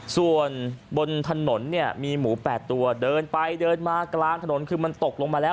ส่วนบนถนนเนี่ยมีหมู๘ตัวเดินไปเดินมากลางถนนคือมันตกลงมาแล้ว